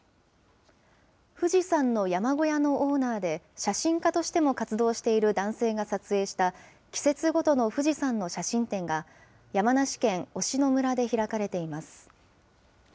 富士山の山小屋のオーナーで、写真家としても活動している男性が撮影した、季節ごとの富士山の写真展が、山梨県忍野村で開かれています。